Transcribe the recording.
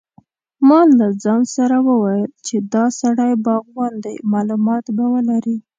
ما له ځان سره وویل چې دا سړی باغوان دی معلومات به ولري.